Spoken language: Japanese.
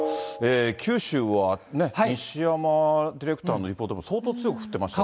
九州はね、西山ディレクターのいた所もたいへん強く降ってましたね。